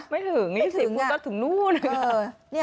ไม่ถึง๒๐คนก็ถึงนู่น